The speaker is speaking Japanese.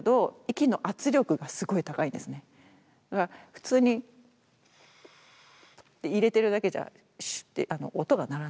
普通にって入れてるだけじゃ音が鳴らない。